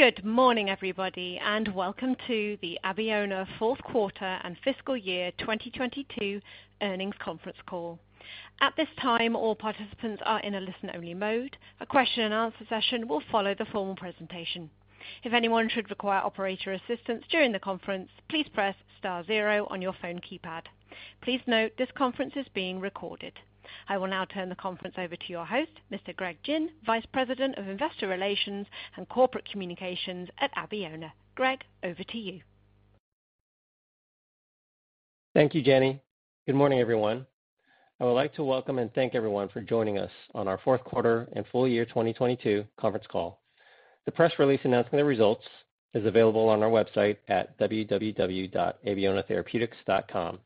Good morning, everybody, and welcome to the Abeona Q4 and fiscal year 2022 earnings conference call. At this time, all participants are in a listen-only mode. A question and answer session will follow the formal presentation. If anyone should require operator assistance during the conference, please press star zero on your phone keypad. Please note this conference is being recorded. I will now turn the conference over to your host, Mr. Greg Gin, Vice President of Investor Relations and Corporate Communications at Abeona. Greg, over to you. Thank you, Jenny. Good morning, everyone. I would like to welcome and thank everyone for joining us on our Q4 and full year 2022 conference call. The press release announcing the results is available on our website at www.abeonatherapeutics.com.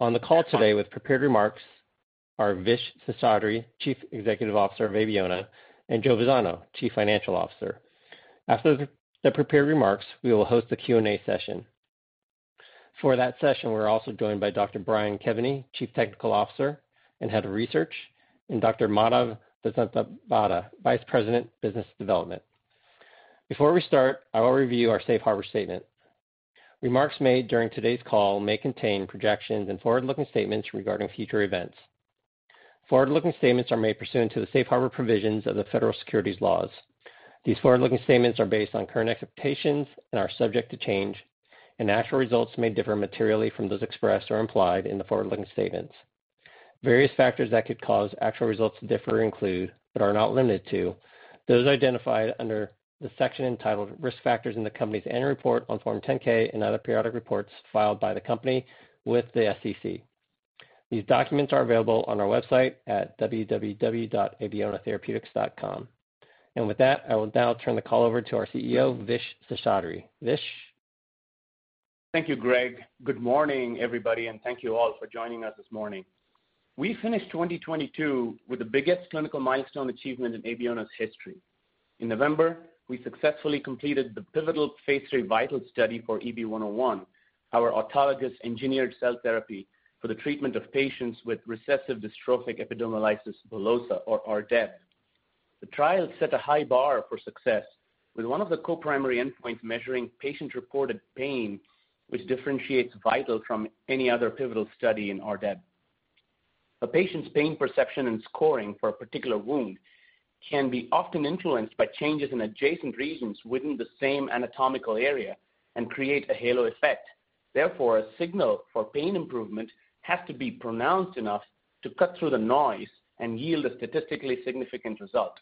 On the call today with prepared remarks are Vishwas Seshadri, Chief Executive Officer of Abeona, and Joe Vazzano, Chief Financial Officer. After the prepared remarks, we will host a Q&A session. For that session, we are also joined by Dr. Brendan Kevany, Chief Technical Officer and Head of Research, and Dr. Madhav Vasanthavada, Vice President, Business Development. Before we start, I will review our safe harbor statement. Remarks made during today's call may contain projections and forward-looking statements regarding future events. Forward-looking statements are made pursuant to the safe harbor provisions of the federal securities laws. These forward-looking statements are based on current expectations and are subject to change, and actual results may differ materially from those expressed or implied in the forward-looking statements. Various factors that could cause actual results to differ include, but are not limited to, those identified under the section entitled Risk Factors in the company's annual report on Form 10-K and other periodic reports filed by the company with the SEC. These documents are available on our website at www.abeonatherapeutics.com. With that, I will now turn the call over to our CEO, Vishwas Seshadri. Vish? Thank you, Greg. Good morning, everybody, and thank you all for joining us this morning. We finished 2022 with the biggest clinical milestone achievement in Abeona's history. In November, we successfully completed the pivotal phase III VIITAL study for EB-101, our autologous, engineered cell therapy for the treatment of patients with recessive dystrophic epidermolysis bullosa or RDEB. The trial set a high bar for success with one of the co-primary endpoints measuring patient-reported pain, which differentiates VIITAL from any other pivotal study in RDEB. A patient's pain perception and scoring for a particular wound can be often influenced by changes in adjacent regions within the same anatomical area and create a halo effect. Therefore, a signal for pain improvement has to be pronounced enough to cut through the noise and yield a statistically significant result.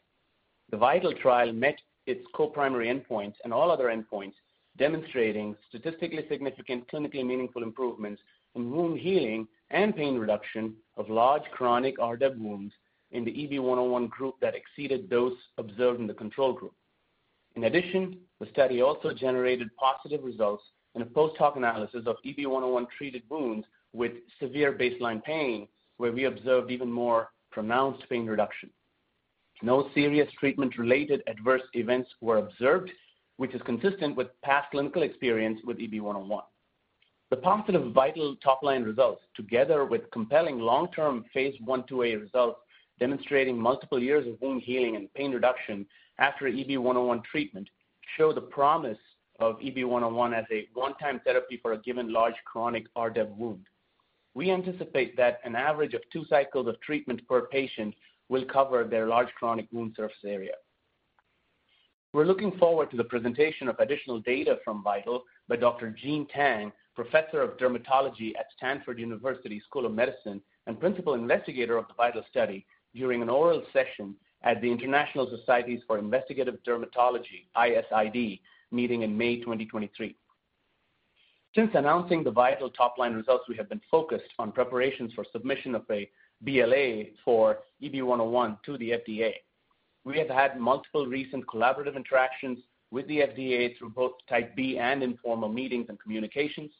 The VIITAL trial met its co-primary endpoints and all other endpoints, demonstrating statistically significant clinically meaningful improvements in wound healing and pain reduction of large chronic RDEB wounds in the EB-101 group that exceeded those observed in the control group. The study also generated positive results in a post-hoc analysis of EB-101-treated wounds with severe baseline pain, where we observed even more pronounced pain reduction. No serious treatment-related adverse events were observed, which is consistent with past clinical experience with EB-101. The positive VIITAL top-line results, together with compelling long-term phase I, II-A results demonstrating multiple years of wound healing and pain reduction after EB-101 treatment, show the promise of EB-101 as a one-time therapy for a given large chronic RDEB wound. We anticipate that an average of two cycles of treatment per patient will cover their large chronic wound surface area. We're looking forward to the presentation of additional data from VIITAL by Dr. Jean Tang, Professor of Dermatology at Stanford University School of Medicine and Principal Investigator of the VIITAL study during an oral session at the International Societies for Investigative Dermatology, ISID, meeting in May 2023. Since announcing the VIITAL top-line results, we have been focused on preparations for submission of a BLA for EB-101 to the FDA. We have had multiple recent collaborative interactions with the FDA through both Type B and informal meetings and communications.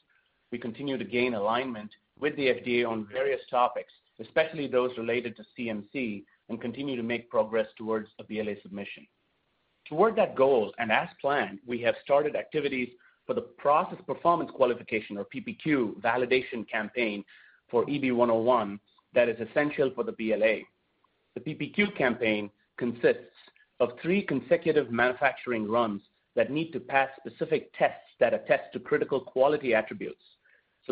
We continue to gain alignment with the FDA on various topics, especially those related to CMC, and continue to make progress towards a BLA submission. Toward that goal, and as planned, we have started activities for the Process Performance Qualification or PPQ validation campaign for EB-101 that is essential for the BLA. The PPQ campaign consists of three consecutive manufacturing runs that need to pass specific tests that attest to critical quality attributes.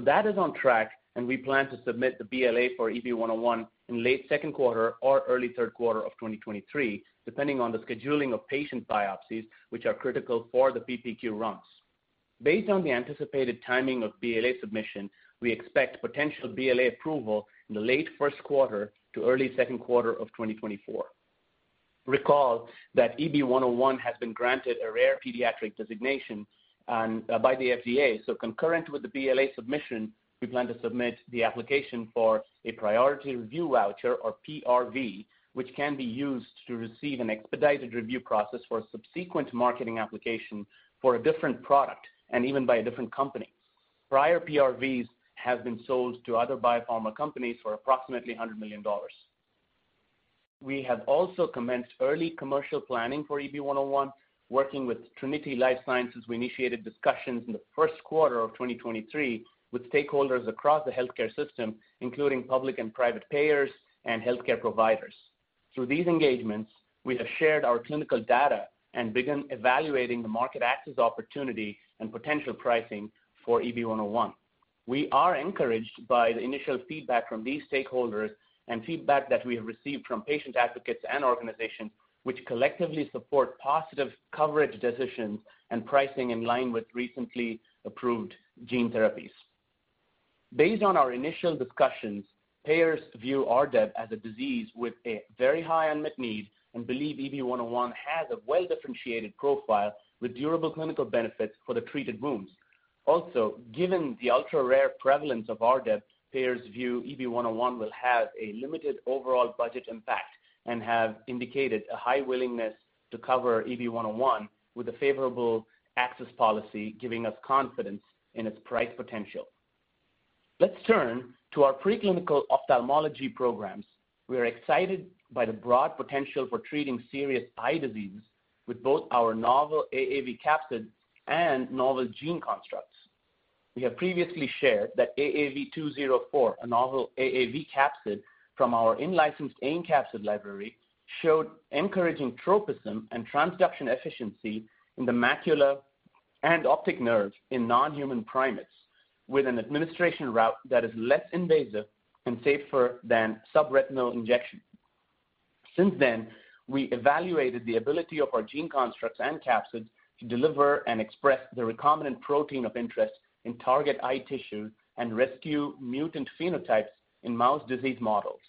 That is on track, and we plan to submit the BLA for EB-101 in late Q2 or early Q3 of 2023, depending on the scheduling of patient biopsies, which are critical for the PPQ runs. Based on the anticipated timing of BLA submission, we expect potential BLA approval in the late Q1 to early Q2 of 2024. Recall that EB-101 has been granted a Rare Pediatric Disease Designation and by the FDA. Concurrent with the BLA submission, we plan to submit the application for a Priority Review Voucher or PRV, which can be used to receive an expedited review process for a subsequent marketing application for a different product and even by a different company. Prior PRVs have been sold to other biopharma companies for approximately $100 million. We have also commenced early commercial planning for EB-101. Working with Trinity Life Sciences, we initiated discussions in the Q1 of 2023 with stakeholders across the healthcare system, including public and private payers and healthcare providers. Through these engagements, we have shared our clinical data and begun evaluating the market access opportunity and potential pricing for EB-101. We are encouraged by the initial feedback from these stakeholders and feedback that we have received from patient advocates and organization which collectively support positive coverage decisions and pricing in line with recently approved gene therapies. Based on our initial discussions, payers view RDEB as a disease with a very high unmet need and believe EB-101 has a well-differentiated profile with durable clinical benefits for the treated wounds. Given the ultra-rare prevalence of RDEB, payers view EB-101 will have a limited overall budget impact and have indicated a high willingness to cover EB-101 with a favorable access policy, giving us confidence in its price potential. Let's turn to our preclinical ophthalmology programs. We are excited by the broad potential for treating serious eye disease with both our novel AAV capsid and novel gene constructs. We have previously shared that AAV204, a novel AAV capsid from our in-licensed AIM Capsid library, showed encouraging tropism and transduction efficiency in the macula and optic nerve in non-human primates with an administration route that is less invasive and safer than subretinal injection. We evaluated the ability of our gene constructs and capsids to deliver and express the recombinant protein of interest in target eye tissue and rescue mutant phenotypes in mouse disease models.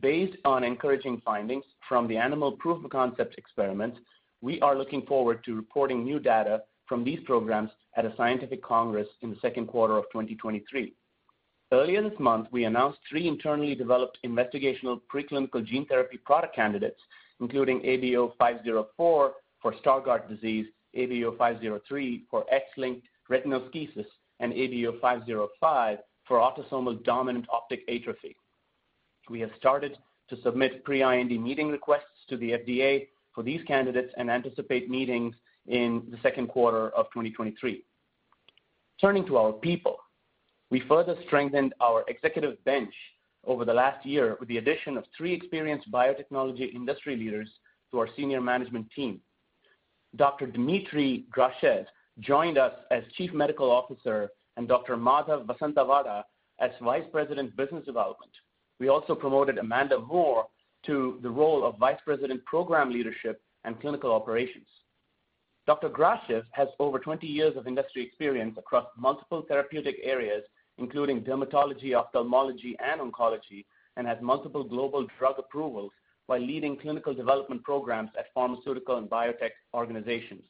Based on encouraging findings from the animal proof-of-concept experiments, we are looking forward to reporting new data from these programs at a scientific congress in the Q2 of 2023. Earlier this month, we announced three internally developed investigational preclinical gene therapy product candidates, including ABO-504 for Stargardt disease, ABO-503 for X-linked retinoschisis, and ABO-505 for autosomal dominant optic atrophy. We have started to submit pre-IND meeting requests to the FDA for these candidates and anticipate meetings in the Q2 of 2023. Turning to our people, we further strengthened our executive bench over the last year with the addition of three experienced biotechnology industry leaders to our senior management team. Dr. Dmitriy Grachev joined us as Chief Medical Officer, and Dr. Madhav Vasanthavada as Vice President, Business Development. We also promoted Amanda Moore to the role of Vice President, Program Leadership and Clinical Operations. Dr. Grachev has over 20 years of industry experience across multiple therapeutic areas, including dermatology, ophthalmology, and oncology, and has multiple global drug approvals by leading clinical development programs at pharmaceutical and biotech organizations.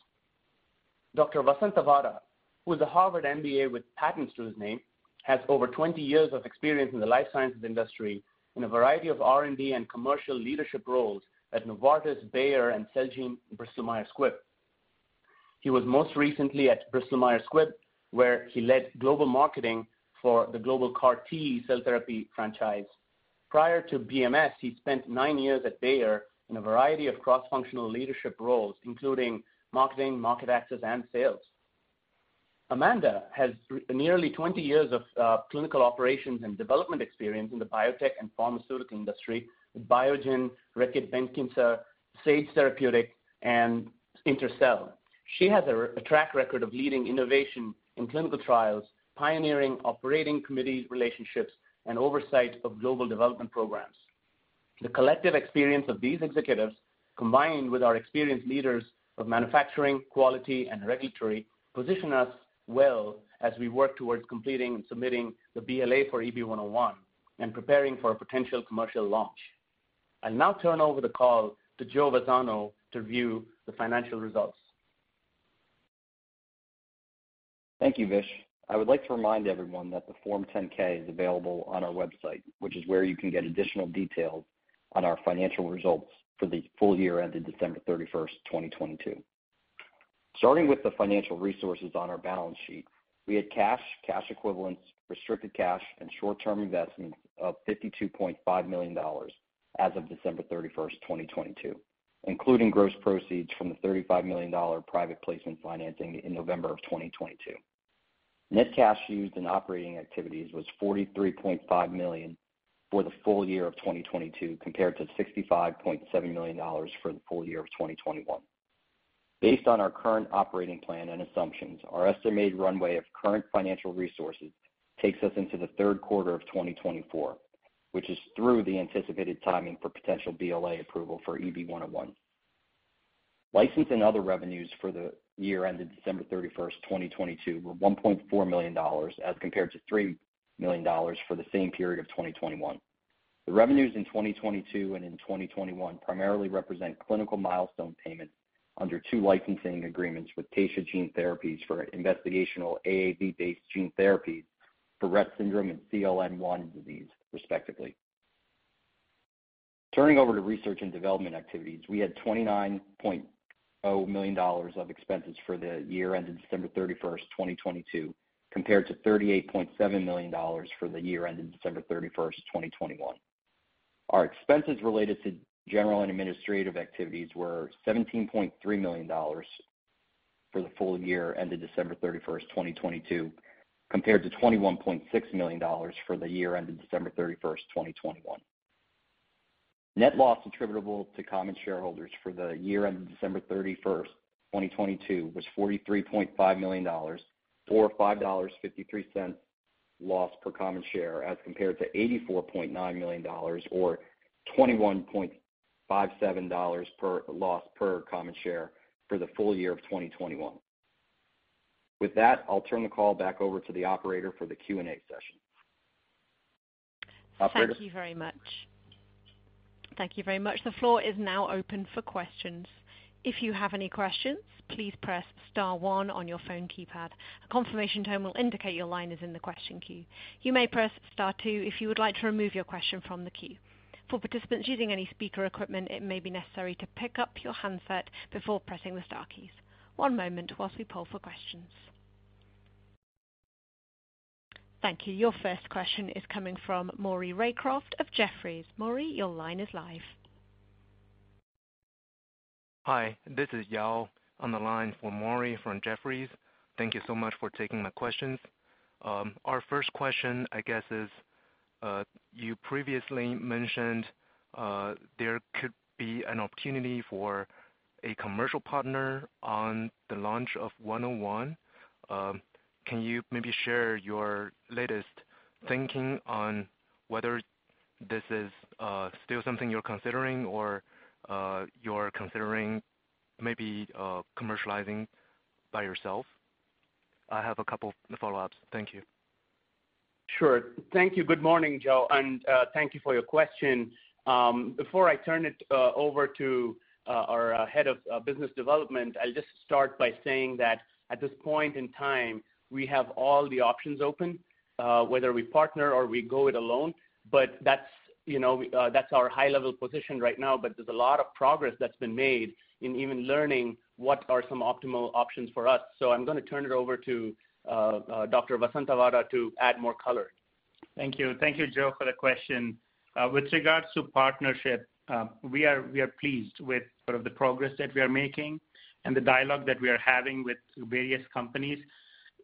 Dr. Vasanthavada, who is a Harvard MBA with patents to his name, has over 20 years of experience in the life sciences industry in a variety of R&D and commercial leadership roles at Novartis, Bayer, and Celgene, Bristol Myers Squibb. He was most recently at Bristol Myers Squibb, where he led global marketing for the global CAR T cell therapy franchise. Prior to BMS, he spent nine years at Bayer in a variety of cross-functional leadership roles, including marketing, market access, and sales. Amanda has nearly 20 years of clinical operations and development experience in the biotech and pharmaceutical industry with Biogen, Reckitt Benckiser, Sage Therapeutics, and Intercell. She has a track record of leading innovation in clinical trials, pioneering operating committee relationships, and oversight of global development programs. The collective experience of these executives, combined with our experienced leaders of manufacturing, quality, and regulatory, position us well as we work towards completing and submitting the BLA for EB-101 and preparing for a potential commercial launch. I'll now turn over the call to Joe Vazzano to review the financial results. Thank you, Vish. I would like to remind everyone that the Form 10-K is available on our website, which is where you can get additional details on our financial results for the full year ended December 31, 2022. Starting with the financial resources on our balance sheet, we had cash equivalents, restricted cash, and short-term investments of $52.5 million as of December 31, 2022, including gross proceeds from the $35 million private placement financing in November 2022. Net cash used in operating activities was $43.5 million for the full year of 2022, compared to $65.7 million for the full year of 2021. Based on our current operating plan and assumptions, our estimated runway of current financial resources takes us into the Q3 of 2024, which is through the anticipated timing for potential BLA approval for EB-101. License and other revenues for the year ended December 31, 2022, were $1.4 million, as compared to $3 million for the same period of 2021. The revenues in 2022 and in 2021 primarily represent clinical milestone payments under two licensing agreements with Taysha Gene Therapies for investigational AAV-based gene therapies for Rett syndrome and CLN1 disease, respectively. Turning over to research and development activities, we had $29.0 million of expenses for the year ended December 31, 2022, compared to $38.7 million for the year ended December 31, 2021. Our expenses related to general and administrative activities were $17.3 million. For the full year ended December 31st, 2022, compared to $21.6 million for the year ended December 31st, 2021. Net loss attributable to common shareholders for the year ended December 31st, 2022, was $43.5 million or $5.53 loss per common share, as compared to $84.9 million or $21.57 per loss per common share for the full year of 2021. With that, I'll turn the call back over to the operator for the Q&A session. Operator? Thank you very much. The floor is now open for questions. If you have any questions, please press star one on your phone keypad. A confirmation tone will indicate your line is in the question queue. You may press star two if you would like to remove your question from the queue. For participants using any speaker equipment, it may be necessary to pick up your handset before pressing the star keys. One moment while we poll for questions. Thank you. Your first question is coming from Maury Raycroft of Jefferies. Maury, your line is live. Hi, this is Amin on the line for Maury from Jefferies. Thank you so much for taking my questions. Our first question, I guess is, you previously mentioned there could be an opportunity for a commercial partner on the launch of 101. Can you maybe share your latest thinking on whether this is still something you're considering or you're considering maybe commercializing by yourself? I have a couple follow-ups. Thank you. Sure. Thank you. Good morning, Joe, and thank you for your question. Before I turn it over to our Head of Business Development, I'll just start by saying that at this point in time, we have all the options open, whether we partner or we go it alone. That's, you know, that's our high-level position right now. There's a lot of progress that's been made in even learning what are some optimal options for us. I'm gonna turn it over to Dr. Vasanthavada to add more color. Thank you. Thank you, Joe, for the question. With regards to partnership, we are pleased with sort of the progress that we are making and the dialogue that we are having with various companies.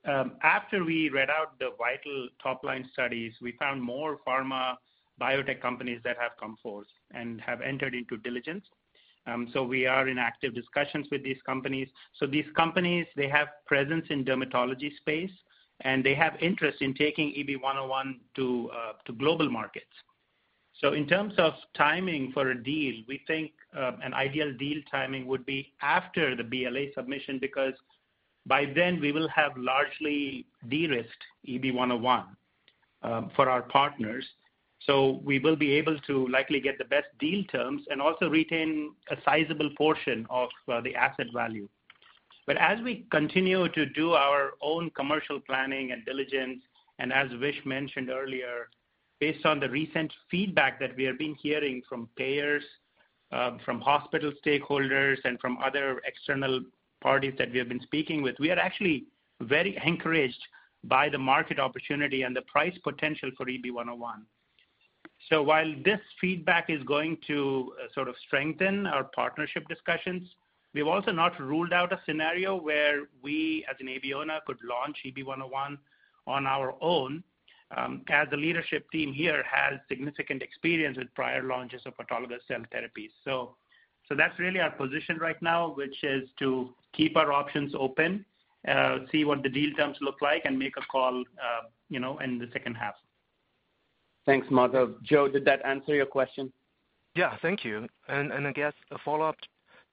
After we read out the VIITAL top-line studies, we found more pharma biotech companies that have come forth and have entered into diligence. We are in active discussions with these companies. These companies, they have presence in dermatology space, and they have interest in taking EB-101 to global markets. In terms of timing for a deal, we think an ideal deal timing would be after the BLA submission, because by then we will have largely de-risked EB-101 for our partners. We will be able to likely get the best deal terms and also retain a sizable portion of the asset value. As we continue to do our own commercial planning and diligence, and as Vish mentioned earlier, based on the recent feedback that we have been hearing from payers, from hospital stakeholders and from other external parties that we have been speaking with, we are actually very encouraged by the market opportunity and the price potential for EB-101. While this feedback is going to sort of strengthen our partnership discussions, we've also not ruled out a scenario where we, as an Abeona, could launch EB-101 on our own, as the leadership team here has significant experience with prior launches of autologous cell therapies. That's really our position right now, which is to keep our options open, see what the deal terms look like and make a call, you know, in the second half. Thanks, Madhav. Joe, did that answer your question? Yeah, thank you. I guess a follow-up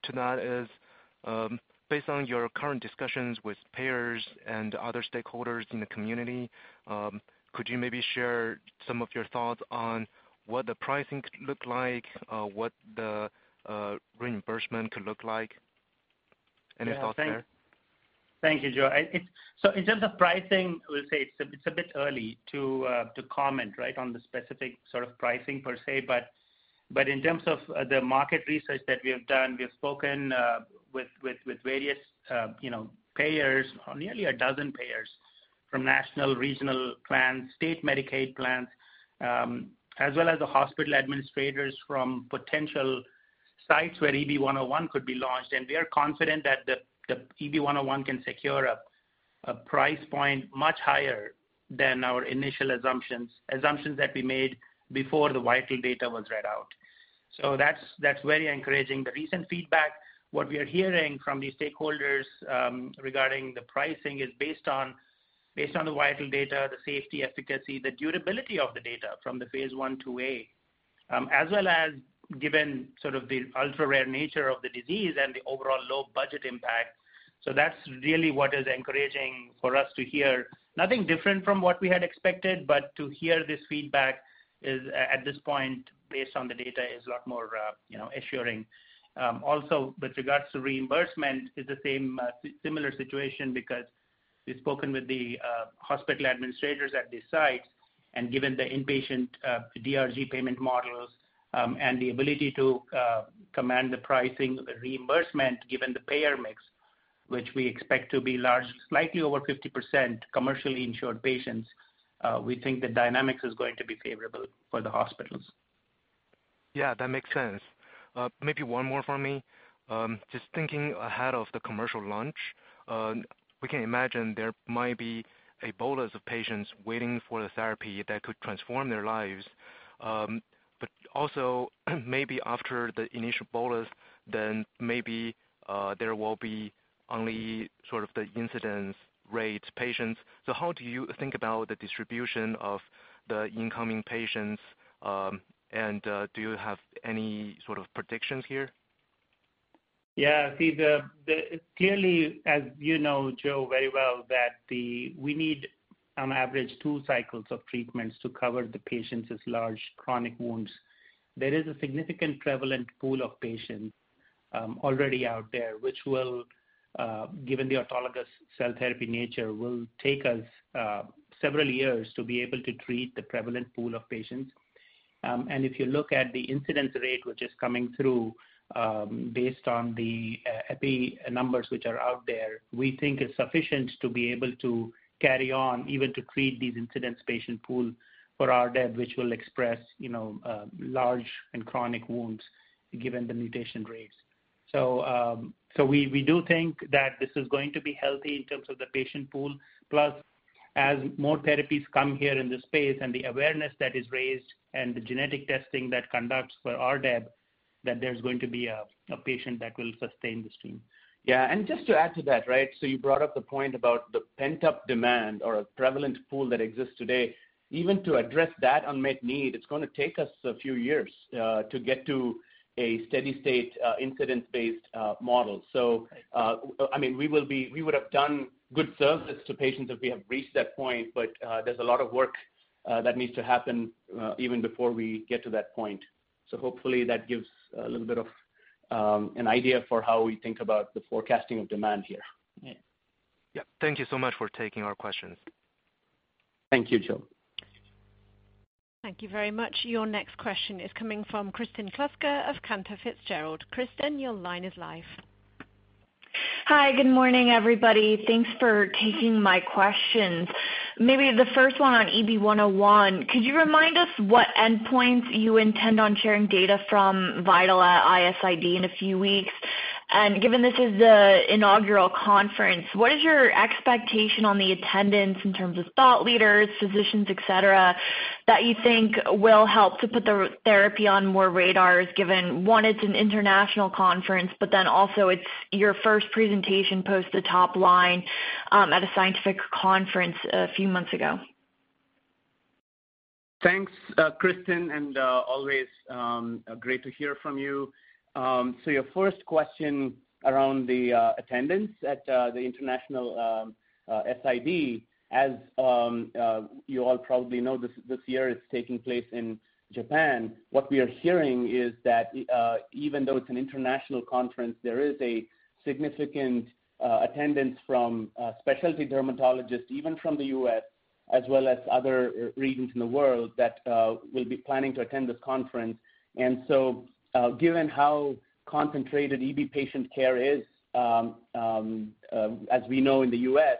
to that is, based on your current discussions with payers and other stakeholders in the community, could you maybe share some of your thoughts on what the pricing could look like, what the reimbursement could look like? Any thoughts there? Yeah. Thank you, Joe. In terms of pricing, I would say it's a bit early to comment, right, on the specific sort of pricing per se. But in terms of the market research that we have done, we have spoken with various, you know, payers, nearly 12 payers from national, regional plans, state Medicaid plans, as well as the hospital administrators from potential sites where EB-101 could be launched. We are confident that the EB-101 can secure a price point much higher than our initial assumptions that we made before the VIITAL data was read out. That's very encouraging. The recent feedback, what we are hearing from the stakeholders, regarding the pricing is based on the VIITAL data, the safety, efficacy, the durability of the data from the phase I, II-A, as well as given sort of the ultra-rare nature of the disease and the overall low budget impact. That's really what is encouraging for us to hear. Nothing different from what we had expected, but to hear this feedback is, at this point, based on the data, is a lot more, you know, assuring. Also with regards to reimbursement is the same, similar situation because we've spoken with the hospital administrators at these sites and given the inpatient DRG payment models and the ability to command the pricing reimbursement given the payer mix, which we expect to be large, slightly over 50% commercially insured patients, we think the dynamics is going to be favorable for the hospitals. Yeah, that makes sense. Maybe one more for me. Just thinking ahead of the commercial launch, we can imagine there might be a bolus of patients waiting for the therapy that could transform their lives. Also maybe after the initial bolus, then maybe there will be only sort of the incidence rate patients. How do you think about the distribution of the incoming patients, and do you have any sort of predictions here? Yeah. See clearly, as you know, Joe, very well that we need on average two cycles of treatments to cover the patients' large chronic wounds. There is a significant prevalent pool of patients already out there, which will, given the autologous cell therapy nature, will take us several years to be able to treat the prevalent pool of patients. If you look at the incidence rate, which is coming through, based on the EPI numbers which are out there, we think it's sufficient to be able to carry on even to create these incidence patient pool for RDEB, which will express, you know, large and chronic wounds given the mutation rates. We do think that this is going to be healthy in terms of the patient pool. As more therapies come here in this space and the awareness that is raised and the genetic testing that conducts for RDEB, that there's going to be a patient that will sustain the stream. Yeah. Just to add to that, right? You brought up the point about the pent-up demand or a prevalent pool that exists today. Even to address that unmet need, it's gonna take us a few years to get to a steady state incidence-based model. I mean, we would have done good service to patients if we have reached that point, but there's a lot of work that needs to happen even before we get to that point. Hopefully that gives a little bit of an idea for how we think about the forecasting of demand here. Yeah. Yeah. Thank you so much for taking our questions. Thank you, Joe. Thank you very much. Your next question is coming from Kristen Kluska of Cantor Fitzgerald. Kristen, your line is live. Hi. Good morning, everybody. Thanks for taking my questions. Maybe the first one on EB-101. Could you remind us what endpoints you intend on sharing data from VIITAL at ISID in a few weeks? Given this is the inaugural conference, what is your expectation on the attendance in terms of thought leaders, physicians, et cetera, that you think will help to put the therapy on more radars, given, one, it's an international conference, also it's your first presentation post the top line at a scientific conference a few months ago. Thanks, Kristen, and always great to hear from you. Your first question around the attendance at the international SID. As you all probably know, this year it's taking place in Japan. What we are hearing is that even though it's an international conference, there is a significant attendance from specialty dermatologists, even from the U.S., as well as other regions in the world that will be planning to attend this conference. Given how concentrated EB patient care is, as we know in the U.S.,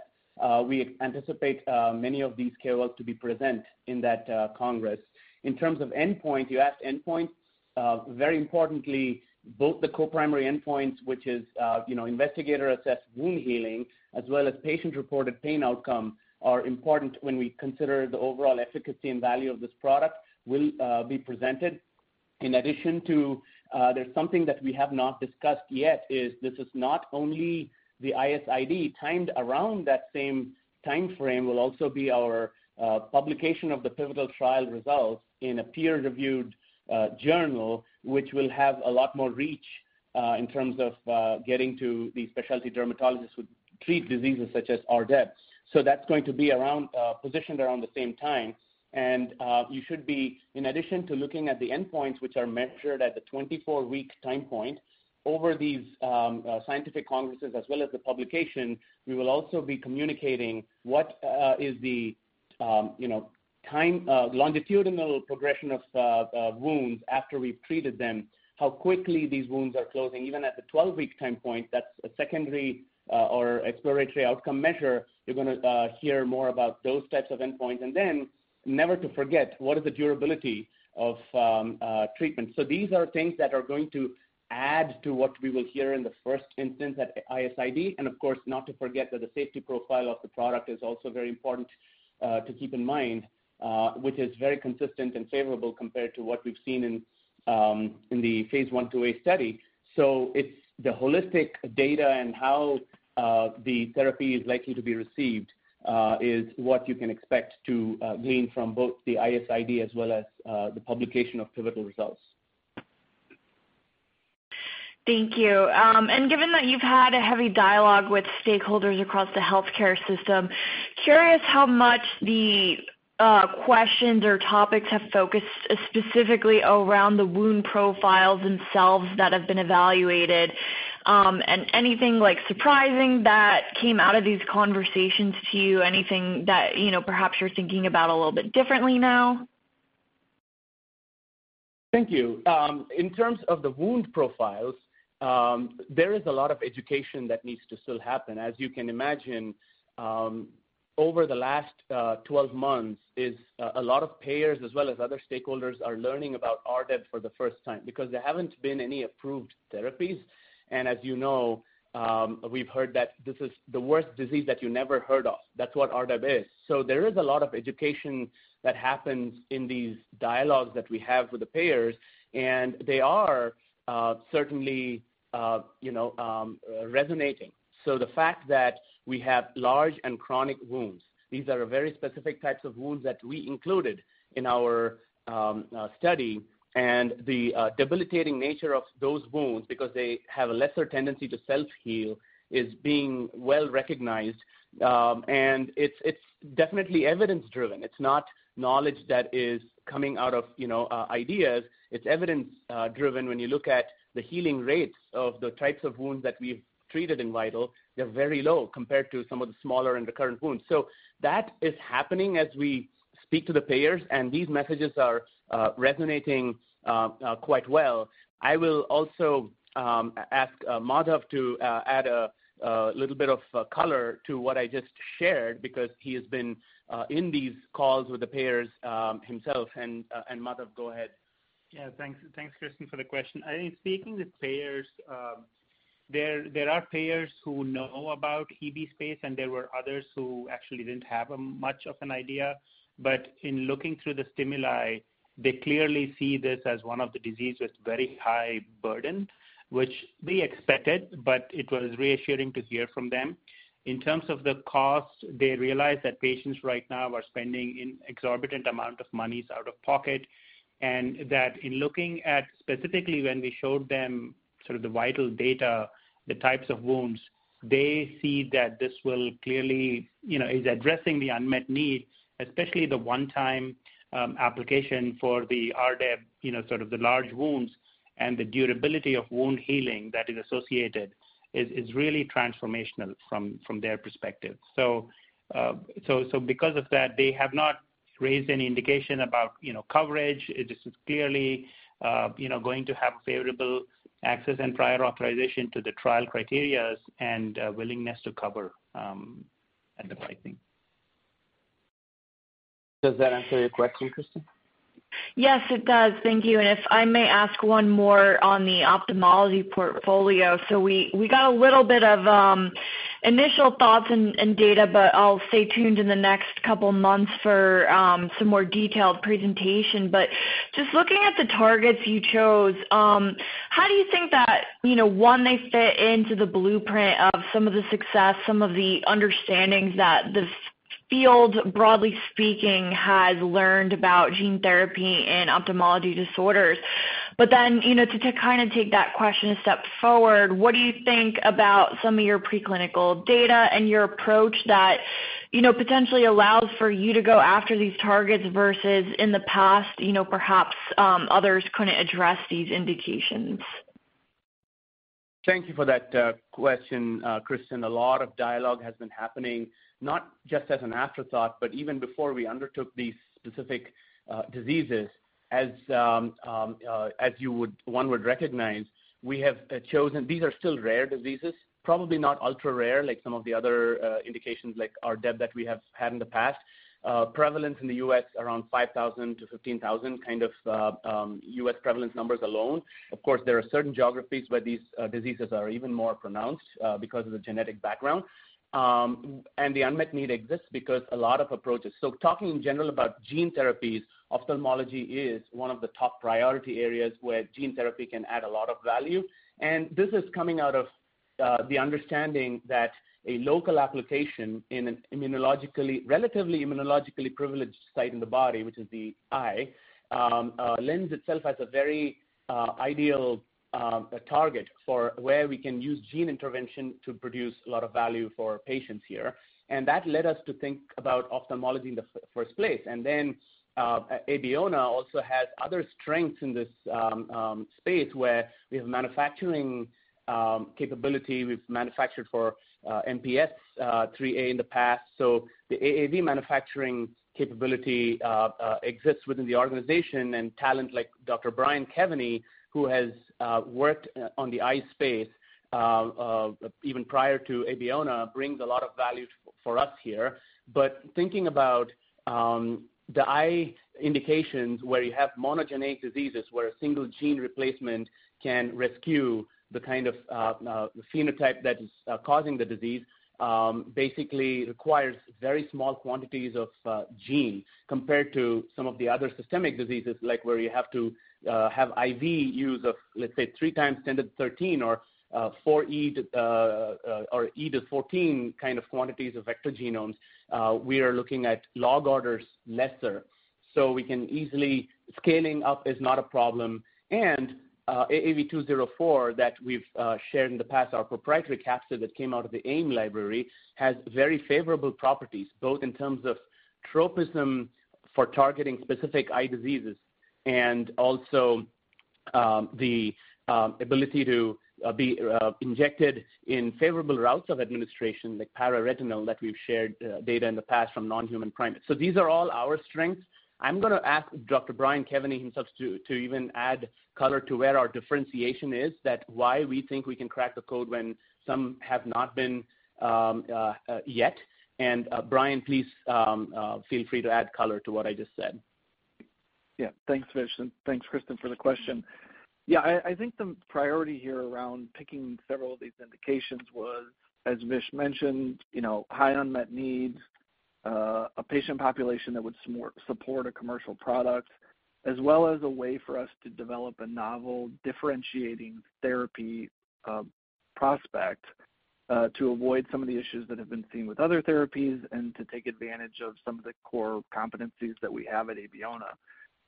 we anticipate many of these KOLs to be present in that congress. In terms of endpoint, you asked endpoint. Very importantly, both the co-primary endpoints, which is, you know, investigator-assessed wound healing, as well as patient-reported pain outcome, are important when we consider the overall efficacy and value of this product, will be presented. In addition to, there's something that we have not discussed yet is this is not only the ISID. Timed around that same time frame will also be our publication of the pivotal trial results in a peer-reviewed journal, which will have a lot more reach in terms of getting to the specialty dermatologists who treat diseases such as RDEB. That's going to be around, positioned around the same time. You should be, in addition to looking at the endpoints which are measured at the 24-week time point, over these scientific congresses as well as the publication, we will also be communicating what is the, you know, time longitudinal progression of wounds after we've treated them, how quickly these wounds are closing, even at the 12-week time point, that's a secondary or exploratory outcome measure. You're gonna hear more about those types of endpoints. Then never to forget what is the durability of treatment. These are things that are going to add to what we will hear in the first instance at ISID, and of course, not to forget that the safety profile of the product is also very important to keep in mind, which is very consistent and favorable compared to what we've seen in the phase I, II-A study. It's the holistic data and how the therapy is likely to be received, is what you can expect to gain from both the ISID as well as the publication of pivotal results. Thank you. Given that you've had a heavy dialogue with stakeholders across the healthcare system, curious how much the questions or topics have focused specifically around the wound profiles themselves that have been evaluated, and anything like surprising that came out of these conversations to you? Anything that, you know, perhaps you're thinking about a little bit differently now? Thank you. In terms of the wound profiles, there is a lot of education that needs to still happen. As you can imagine, over the last 12 months, a lot of payers as well as other stakeholders are learning about RDEB for the first time because there haven't been any approved therapies. As you know, we've heard that this is the worst disease that you never heard of. That's what RDEB is. There is a lot of education that happens in these dialogues that we have with the payers, and they are certainly, you know, resonating. The fact that we have large and chronic wounds, these are very specific types of wounds that we included in our study and the debilitating nature of those wounds because they have a lesser tendency to self-heal, is being well-recognized. It's definitely evidence-driven. It's not knowledge that is coming out of, you know, ideas. It's evidence driven. When you look at the healing rates of the types of wounds that we've treated in VIITAL, they're very low compared to some of the smaller and recurrent wounds. That is happening as we speak to the payers, these messages are resonating quite well. I will also ask Madhav to add a little bit of color to what I just shared because he has been in these calls with the payers himself. Madhav, go ahead. Yeah. Thanks. Thanks, Kristen, for the question. I think speaking with payers, there are payers who know about EB space, and there were others who actually didn't have much of an idea. In looking through the stimuli, they clearly see this as one of the diseases with very high burden, which we expected, but it was reassuring to hear from them. In terms of the cost, they realize that patients right now are spending an exorbitant amount of monies out of pocket, and that in looking at specifically when we showed them sort of the VIITAL data, the types of wounds, they see that this will clearly, you know, is addressing the unmet need, especially the one-time application for the RDEB, you know, sort of the large wounds and the durability of wound healing that is associated is really transformational from their perspective. Because of that, they have not raised any indication about, you know, coverage. This is clearly, you know, going to have favorable access and prior authorization to the trial criteria and willingness to cover at the right thing. Does that answer your question, Kristen? Yes, it does. Thank you. If I may ask one more on the ophthalmology portfolio. We, we got a little bit of initial thoughts and data, but I'll stay tuned in the next couple of months for some more detailed presentation. Just looking at the targets you chose, how do you think that, you know, one, they fit into the blueprint of some of the success, some of the understandings that this field, broadly speaking, has learned about gene therapy in ophthalmology disorders. You know, to kind of take that question a step forward, what do you think about some of your preclinical data and your approach that, you know, potentially allows for you to go after these targets versus in the past, you know, perhaps, others couldn't address these indications? Thank you for that question, Kristen. A lot of dialogue has been happening, not just as an afterthought, but even before we undertook these specific diseases. As one would recognize, we have chosen. These are still rare diseases, probably not ultra-rare like some of the other indications like RDEB that we have had in the past. Prevalence in the U.S. around 5,000-15,000, kind of, U.S. prevalence numbers alone. Of course, there are certain geographies where these diseases are even more pronounced because of the genetic background. The unmet need exists because a lot of approaches. Talking in general about gene therapies, ophthalmology is one of the top priority areas where gene therapy can add a lot of value. This is coming out of the understanding that a local application in an immunologically, relatively immunologically privileged site in the body, which is the eye, lends itself as a very ideal target for where we can use gene intervention to produce a lot of value for patients here. That led us to think about ophthalmology in the first place. Abeona also has other strengths in this space where we have manufacturing capability. We've manufactured for MPS IIIA in the past. The AAV manufacturing capability exists within the organization, and talent like Dr. Brian Kevany, who has worked on the eye space even prior to Abeona, brings a lot of value for us here. Thinking about the eye indications where you have monogenic diseases where a single gene replacement can rescue the kind of phenotype that is causing the disease, basically requires very small quantities of gene compared to some of the other systemic diseases, like where you have to have IV use of, let's say, three times 10 to 13 or 4E to or E to 14 kind of quantities of vector genomes. We are looking at log orders lesser, so we can easily. Scaling up is not a problem. AAV204 that we've shared in the past, our proprietary capsid that came out of the AIM library, has very favorable properties, both in terms of tropism for targeting specific eye diseases and also the ability to be injected in favorable routes of administration like para-retinal that we've shared data in the past from non-human primates. These are all our strengths. I'm gonna ask Dr. Brian Kevany himself to even add color to where our differentiation is, that why we think we can crack the code when some have not been yet. Brian, please feel free to add color to what I just said. Thanks, Vish. Thanks, Kristen, for the question. I think the priority here around picking several of these indications was, as Vish mentioned, you know, high unmet needs, a patient population that would support a commercial product, as well as a way for us to develop a novel differentiating therapy prospect to avoid some of the issues that have been seen with other therapies and to take advantage of some of the core competencies that we have at Abeona.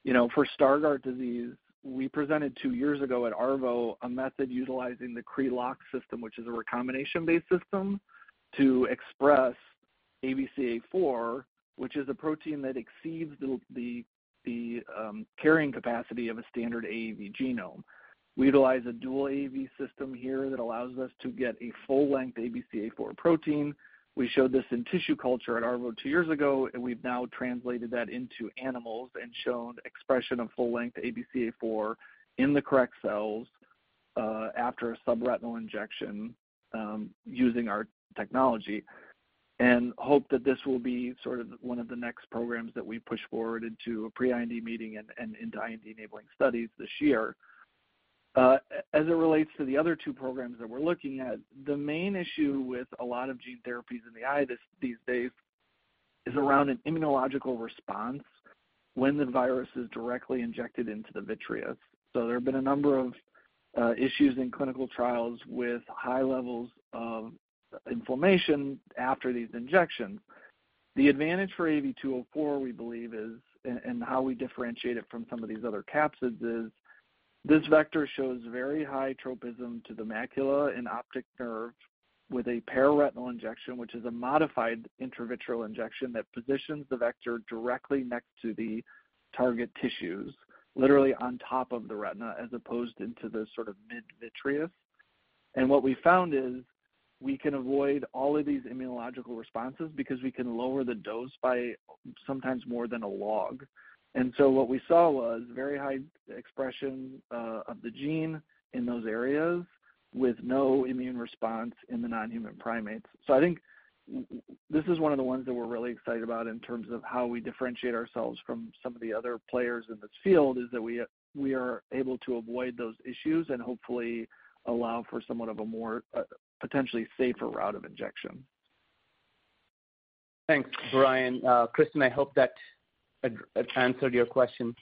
You know, for Stargardt disease, we presented two years ago at ARVO a method utilizing the Cre-Lox system, which is a recombination-based system, to express ABCA4, which is a protein that exceeds the carrying capacity of a standard AAV genome. We utilize a dual AAV system here that allows us to get a full-length ABCA4 protein. We showed this in tissue culture at ARVO two years ago, and we've now translated that into animals and shown expression of full-length ABCA4 in the correct cells after a subretinal injection using our technology. Hope that this will be sort of 1 of the next programs that we push forward into a pre-IND meeting and into IND-enabling studies this year. As it relates to the other two programs that we're looking at, the main issue with a lot of gene therapies in the eye these days is around an immunological response when the virus is directly injected into the vitreous. There have been a number of issues in clinical trials with high levels of inflammation after these injections. The advantage for AAV204, we believe, is, and how we differentiate it from some of these other capsids is, this vector shows very high tropism to the macula and optic nerve with a para-retinal injection, which is a modified intravitreal injection that positions the vector directly next to the target tissues, literally on top of the retina, as opposed into the sort of mid-vitreous. What we found is we can avoid all of these immunological responses because we can lower the dose by sometimes more than a log. What we saw was very high expression of the gene in those areas with no immune response in the non-human primates. I think this is one of the ones that we're really excited about in terms of how we differentiate ourselves from some of the other players in this field, is that we are able to avoid those issues and hopefully allow for somewhat of a more, potentially safer route of injection. Thanks, Brian. Kristen, I hope that answered your question.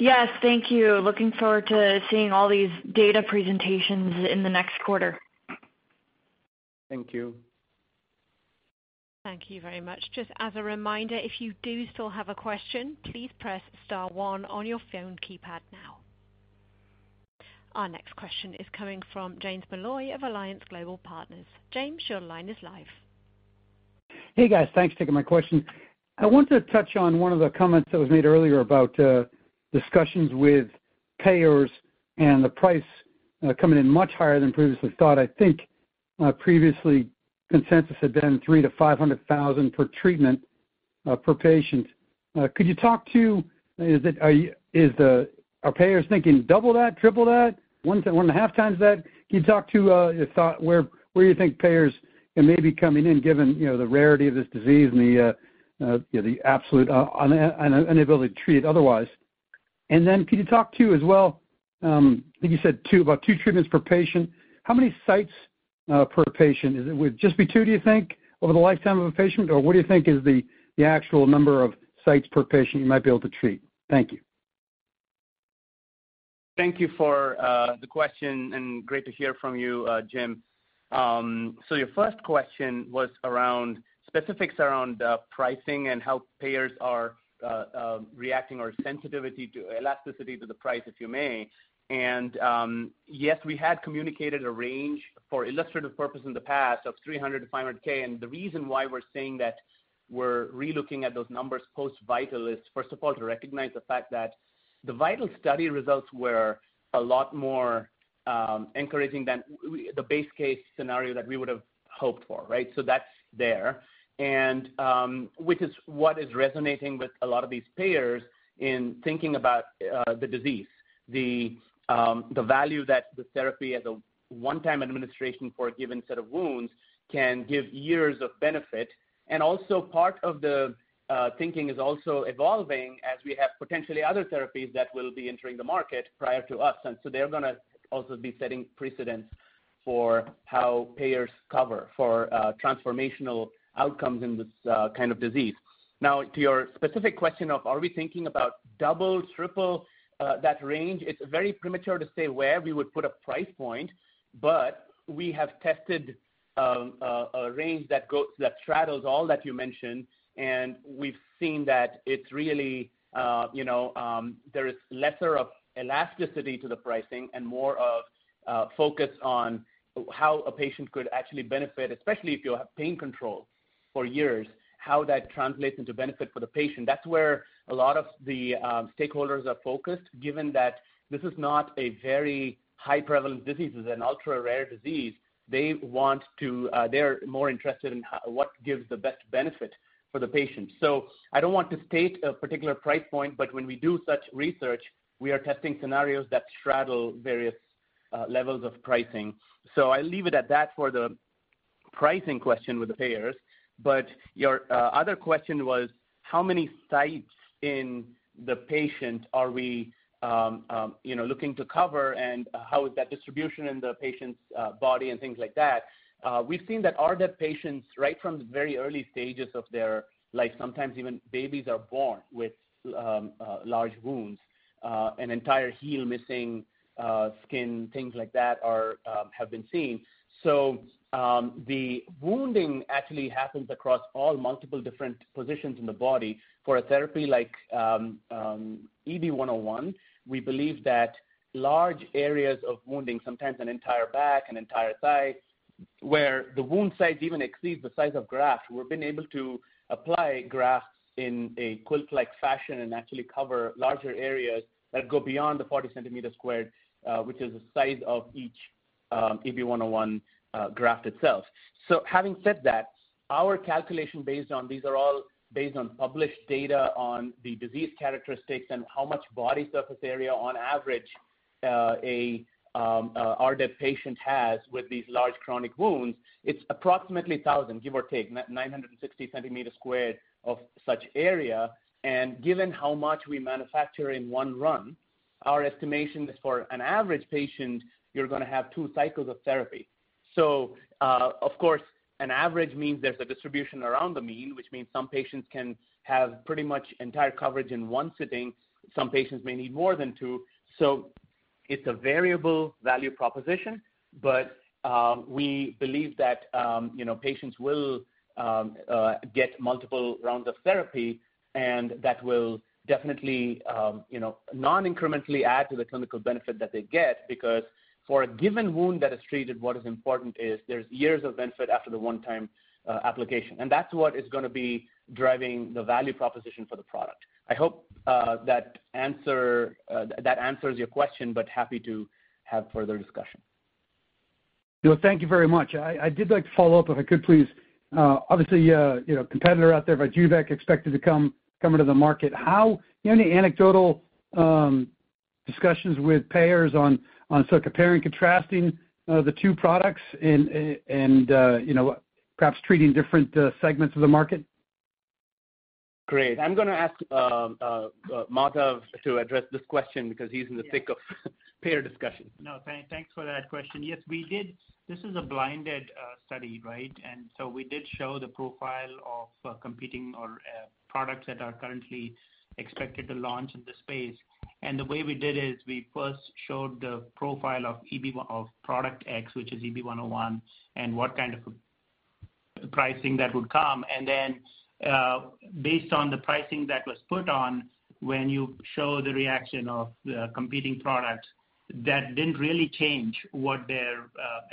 Yes. Thank you. Looking forward to seeing all these data presentations in the next quarter. Thank you. Thank you very much. Just as a reminder, if you do still have a question, please press star one on your phone keypad now. Our next question is coming from James Molloy of Alliance Global Partners. James, your line is live. Hey, guys. Thanks for taking my question. I want to touch on one of the comments that was made earlier about discussions with payers and the price coming in much higher than previously thought. I think previously consensus had been $300,000-$500,000 per treatment per patient. Could you talk to, is it... Are payers thinking double that, triple that, 1.5 times that? Can you talk to your thought, where you think payers are maybe coming in given, you know, the rarity of this disease and the, you know, the absolute inability to treat it otherwise. Could you talk to as well, I think you said two, about two treatments per patient. How many sites per patient? Would it just be two, do you think, over the lifetime of a patient? What do you think is the actual number of sites per patient you might be able to treat? Thank you. Thank you for the question, and great to hear from you, Jim. Your first question was around specifics around pricing and how payers are reacting or sensitivity to elasticity to the price, if you may. Yes, we had communicated a range for illustrative purpose in the past of $300,000-$500,000. The reason why we're saying that we're re-looking at those numbers post-VIITAL is, first of all, to recognize the fact that the VIITAL study results were a lot more encouraging than the base case scenario that we would have hoped for, right? That's there. Which is what is resonating with a lot of these payers in thinking about the disease. The value that the therapy as a one-time administration for a given set of wounds can give years of benefit. Also part of the thinking is also evolving as we have potentially other therapies that will be entering the market prior to us. They're gonna also be setting precedents for how payers cover for transformational outcomes in this kind of disease. Now, to your specific question of are we thinking about double, triple, that range? It's very premature to say where we would put a price point, but we have tested, a range that straddles all that you mentioned, and we've seen that it's really, you know, there is lesser of elasticity to the pricing and more of focus on how a patient could actually benefit, especially if you have pain control for years, how that translates into benefit for the patient. That's where a lot of the stakeholders are focused. Given that this is not a very high prevalent disease, this is an ultra-rare disease, they want to, they're more interested in what gives the best benefit for the patient. I don't want to state a particular price point, but when we do such research, we are testing scenarios that straddle various levels of pricing. I leave it at that for the pricing question with the payers. Your other question was how many sites in the patient are we, you know, looking to cover and how is that distribution in the patient's body and things like that. We've seen that our RDEB patients, right from the very early stages of their life, sometimes even babies are born with large wounds, an entire heel missing skin, things like that are have been seen. The wounding actually happens across all multiple different positions in the body. For a therapy like EB-101, we believe that large areas of wounding, sometimes an entire back, an entire thigh, where the wound size even exceeds the size of graft, we've been able to apply grafts in a quilt-like fashion and actually cover larger areas that go beyond the 40 centimeter squared, which is the size of each EB-101 graft itself. Having said that, our calculation based on these are all based on published data on the disease characteristics and how much body surface area on average a RD patient has with these large chronic wounds, it's approximately 1,000, give or take, 960 centimeters squared of such area. Given how much we manufacture in one run, our estimation is for an average patient, you're gonna have two cycles of therapy. Of course, an average means there's a distribution around the mean, which means some patients can have pretty much entire coverage in one sitting, some patients may need more than two. It's a variable value proposition, but, we believe that, you know, patients will get multiple rounds of therapy, and that will definitely, you know, non-incrementally add to the clinical benefit that they get. Because for a given wound that is treated, what is important is there's years of benefit after the one-time application. That's what is gonna be driving the value proposition for the product. I hope that answer that answers your question, but happy to have further discussion. Well, thank you very much. I did like to follow up, if I could please. Obviously, you know, competitor out there by Vyjuvek expected to come into the market. How do you have any anecdotal discussions with payers on sort of comparing, contrasting, the two products and, you know, perhaps treating different segments of the market? Great. I'm gonna ask Madhav to address this question because he's in the thick of payer discussion. No, thanks for that question. Yes, we did. This is a blinded study, right? We did show the profile of competing or products that are currently expected to launch in the space. The way we did is we first showed the profile of product X, which is EB-101, and what kind of pricing that would come. Then, based on the pricing that was put on when you show the reaction of the competing products, that didn't really change what their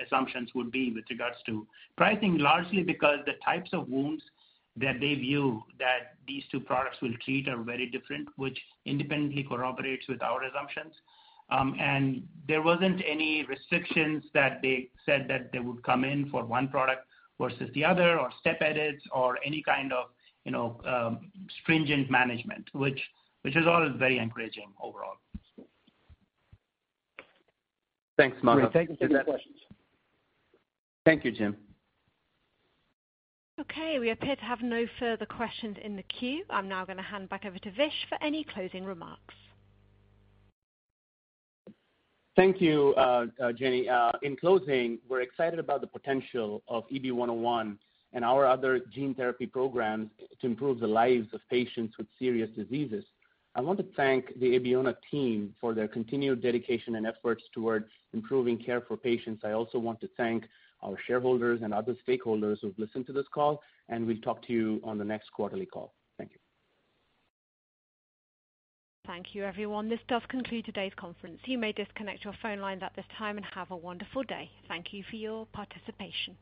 assumptions would be with regards to pricing, largely because the types of wounds that they view that these two products will treat are very different, which independently corroborates with our assumptions. There wasn't any restrictions that they said that they would come in for one product versus the other, or step edits or any kind of, you know, stringent management, which is always very encouraging overall. Thanks, Madhav. Great. Thank you for the questions. Thank you, Jim. Okay, we appear to have no further questions in the queue. I'm now gonna hand back over to Vish for any closing remarks. Thank you, Jenny. In closing, we're excited about the potential of EB-101 and our other gene therapy programs to improve the lives of patients with serious diseases. I want to thank the Abeona team for their continued dedication and efforts towards improving care for patients. I also want to thank our shareholders and other stakeholders who've listened to this call, and we'll talk to you on the next quarterly call. Thank you. Thank you, everyone. This does conclude today's conference. You may disconnect your phone lines at this time and have a wonderful day. Thank you for your participation.